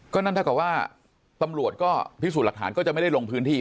นั่นเท่ากับว่าตำรวจก็พิสูจน์หลักฐานก็จะไม่ได้ลงพื้นที่